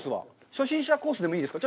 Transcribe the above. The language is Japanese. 初心者コースでもいいですか？